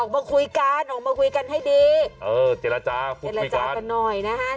ออกมาคุยกันออกมาคุยกันให้ดีเออเจรจาฟูตคุยกันฟูตคุยกันหน่อยนะฮะ